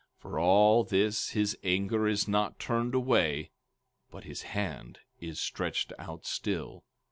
For all this his anger is not turned away, but his hand is stretched out still.